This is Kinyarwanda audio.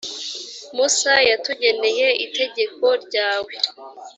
musa yatugeneye itegeko ryawe.